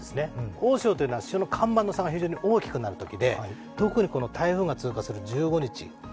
大潮というのは潮の干満の差が大きくなる時期で特にこの台風が通過する１５日。